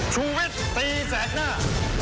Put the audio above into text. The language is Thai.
ชีวิตตีแสงหน้า